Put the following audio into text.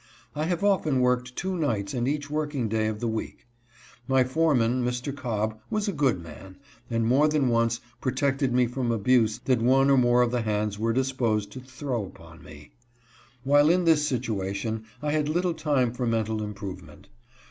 I have often worked two nights and each working day of the week. My foreman, Mr. Cobb, was a KNOWLEDGE UNDER DIFFICULTIES. 263 good man, and more than once protected me from abuse that one or more of the hands were disposed to throw upon me. While in this situation I had little time for mental improvement.